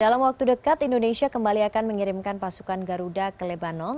dalam waktu dekat indonesia kembali akan mengirimkan pasukan garuda ke lebanon